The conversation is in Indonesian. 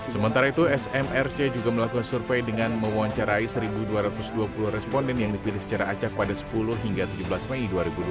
sementara itu smrc juga melakukan survei dengan mewawancarai satu dua ratus dua puluh responden yang dipilih secara acak pada sepuluh hingga tujuh belas mei dua ribu dua puluh